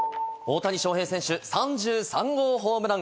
大谷翔平選手、３３号ホームラン。